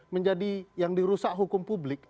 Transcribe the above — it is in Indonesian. menjadi yang dirusak hukum publik